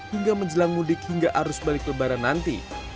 hingga menjelang mudik hingga arus balik lebaran nanti